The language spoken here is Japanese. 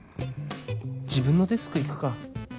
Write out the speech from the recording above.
自分のデスク行くか